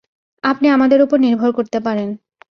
আপনি আমাদের উপর নির্ভর করতে পারেন।